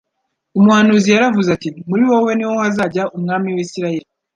Umuhanuzi yaravuze ati :" Muri wowe ni ho hazaya Umwami w'Isirayeli,